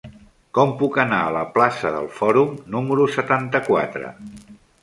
Com puc anar a la plaça del Fòrum número setanta-quatre?